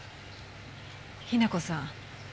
日名子さん。